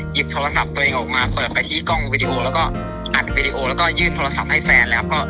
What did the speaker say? หยิบโทรศัพท์ตัวเองออกมาเปิดไปที่กล้องวิดีโอแล้วก็อัดวิดีโอแล้วก็ยื่นโทรศัพท์ให้แฟนแล้วก็